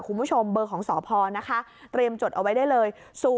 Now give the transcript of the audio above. คุณผู้ชมเบอร์ของสพนะคะเตรียมจดเอาไว้ได้เลย